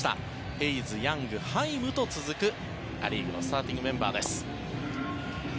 ヘイズ、ヤング、ハイムと続くア・リーグのスターティングメンバーです。